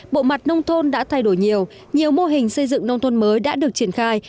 bộ mặt nông thôn đã thay đổi nhiều nhiều mô hình xây dựng nông thôn mới đã được triển khai